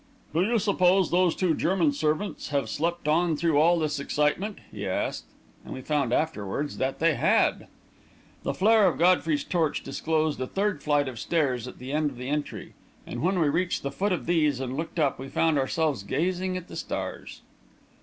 "Do you suppose those two German servants have slept on through all this excitement?" he asked; and we found afterwards that they had! The flare of Godfrey's torch disclosed a third flight of stairs at the end of the entry, and, when we reached the foot of these and looked up, we found ourselves gazing at the stars.